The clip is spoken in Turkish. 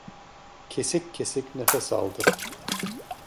Kesik kesik nefes aldı.